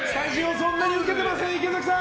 そんなにウケてません池崎さん。